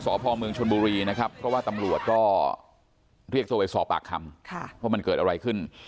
พ่อเมืองชนบุรีนะครับเพราะว่าตำรวจก็เรียกตัวไปสอบปากคำว่ามันเกิดอะไรขึ้น